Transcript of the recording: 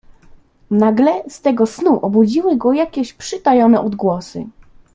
"Nagle z tego snu obudziły go jakieś przytajone odgłosy."